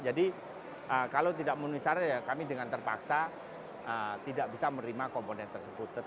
jadi kalau tidak memenuhi syarat ya kami dengan terpaksa tidak bisa menerima komponen tersebut